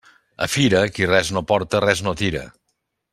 A fira, qui res no porta, res no tira.